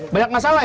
banyak masalah ya